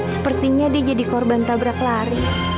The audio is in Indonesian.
sepertinya dia jadi korban tabrak lari